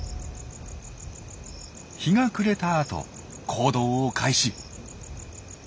日が暮れたあと行動を開始。